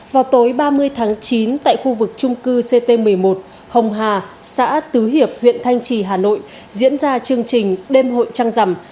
vào tối ba mươi tháng chín tại khu vực trung cư ct một mươi một hồng hà xã tứ hiệp huyện thanh trì hà nội diễn ra chương trình đêm hội trăng rằm